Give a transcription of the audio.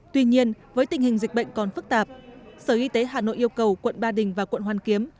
tuy nhiên với tình hình dịch bệnh còn phức tạp sở y tế hà nội yêu cầu quận ba đình và quận hoàn kiếm